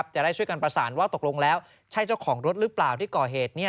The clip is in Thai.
จะได้ช่วยกันประสานว่าตกลงแล้วใช่เจ้าของรถหรือเปล่าที่ก่อเหตุ